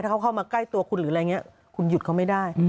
ถ้าเขาเข้ามาใกล้ตัวคุณหรืออะไรอย่างนี้คุณหยุดเขาไม่ได้